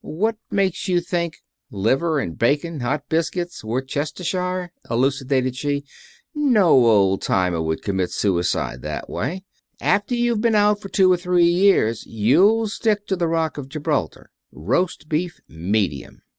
"What makes you think " "Liver and bacon, hot biscuits, Worcestershire," elucidated she. "No old timer would commit suicide that way. After you've been out for two or three years you'll stick to the Rock of Gibraltar roast beef, medium.